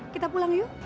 kita pulang yuk